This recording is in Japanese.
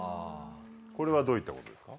これはどういったことですか？